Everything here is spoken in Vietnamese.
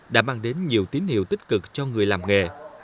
đã mang đến nhiều tín hiệu tích cực cho người làm nghề